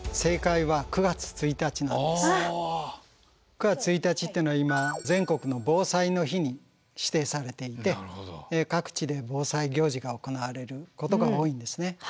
９月１日ってのは今全国の防災の日に指定されていて各地で防災行事が行われることが多いんですね。